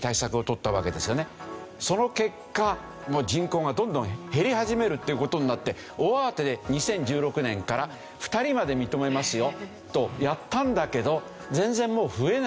その結果人口がどんどん減り始めるっていう事になって大慌てで２０１６年から２人まで認めますよとやったんだけど全然もう増えない。